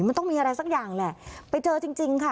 มันต้องมีอะไรสักอย่างแหละไปเจอจริงจริงค่ะ